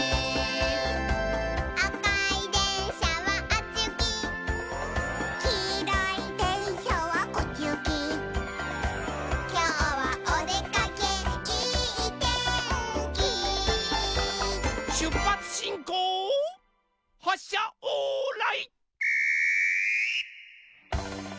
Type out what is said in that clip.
「あかいでんしゃはあっちゆき」「きいろいでんしゃはこっちゆき」「きょうはおでかけいいてんき」しゅっぱつしんこうはっしゃオーライ。